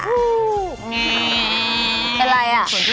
อื้ออะไรอ่ะ